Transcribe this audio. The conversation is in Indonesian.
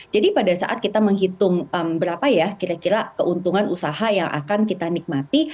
jadi pada saat kita menghitung berapa ya kira kira keuntungan usaha yang akan kita nikmati